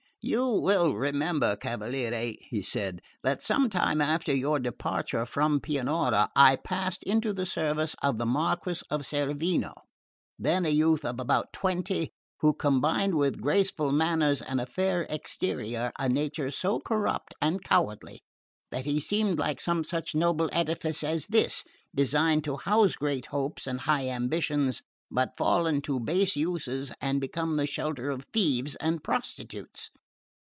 "You will remember, cavaliere," he said, "that some time after your departure from Pianura I passed into the service of the Marquess of Cerveno, then a youth of about twenty, who combined with graceful manners and a fair exterior a nature so corrupt and cowardly that he seemed like some such noble edifice as this, designed to house great hopes and high ambitions, but fallen to base uses and become the shelter of thieves and prostitutes.